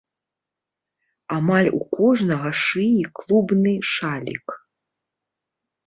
Амаль у кожнага шыі клубны шалік.